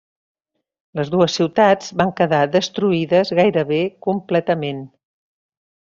Les dues ciutats van quedar destruïdes gairebé completament.